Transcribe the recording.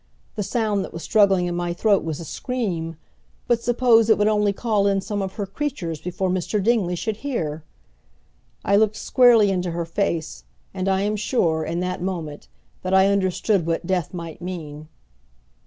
The sound that was struggling in my throat was a scream, but suppose it would only call in some of her creatures before Mr. Dingley should hear! I looked squarely into her face, and I am sure, in that moment, that I understood what death might mean.